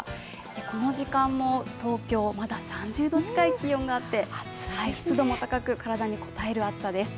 この時間も東京、まだ３０度近い気温があって、湿度も高く体にこたえる暑さです。